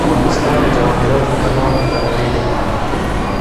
افغانستان د جواهرات له پلوه متنوع دی.